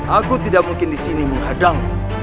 aku tidak mungkin disini menghadangmu